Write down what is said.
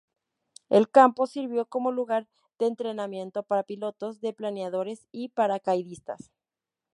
El campo sirvió como lugar de entrenamiento para pilotos de planeadores y paracaidistas.